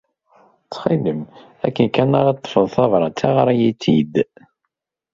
Ttxil-m, akken kan ara d-teḍḍfed tabṛat-a, ɣer-iyi-d.